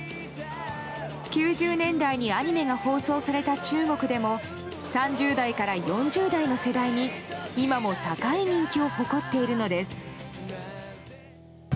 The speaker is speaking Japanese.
９０年代にアニメが放送された中国でも３０代から４０代の世代に今も高い人気を誇っているのです。